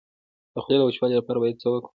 د خولې د وچوالي لپاره باید څه وکړم؟